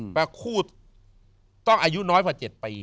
แปลว่าคู่ต้องอายุน้อยกว่า๗ปี